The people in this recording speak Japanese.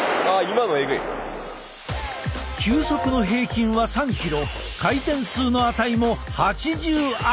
球速の平均は３キロ回転数の値も８０アップ！